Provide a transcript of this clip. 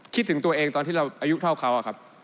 คิดถึงตัวเองตอนที่เราอายุเท่าเขาอะครับ